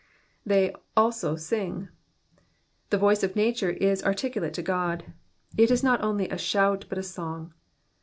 ^^They also sing,''^ The voice of nature is articulate to God ; it is not only a shout, but a song.